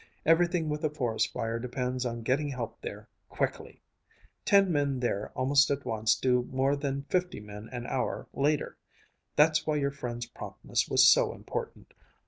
Everything with a forest fire depends on getting help there quickly. Ten men there almost at once do more than fifty men an hour later. That's why your friend's promptness was so important.